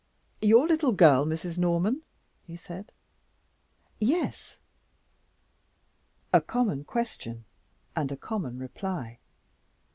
"Your little girl, Mrs. Norman?" he said. "Yes." (A common question and a common reply.